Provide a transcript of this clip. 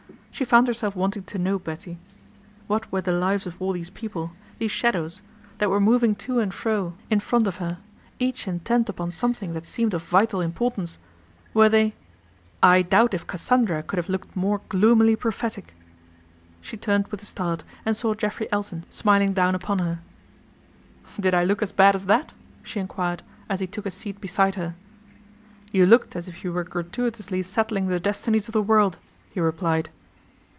She found herself wanting to know Betty. What were the lives of all these people, these shadows, that were moving to and fro in 292 PATRICIA BRENT, SPINSTER front of her, each intent upon something that seemed of vital importance ? Were they ?"" I doubt if Cassandra could have looked more gloomily prophetic.' She turned with a start and saw Geoffrey Elton smiling down upon her. " Did I look as bad as that ?" she enquired, as he took a seat beside her. " You looked as if you were gratuitously settling the destinies of the world," he replied.